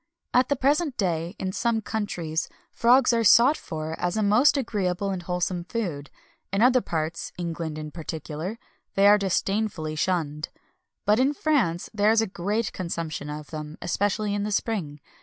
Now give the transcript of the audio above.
At the present day, in some countries, frogs are sought for as a most agreeable and wholesome food; in other parts England in particular they are disdainfully shunned. But in France there is a great consumption of them, especially in the spring.